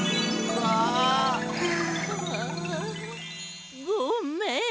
あ。ごめん。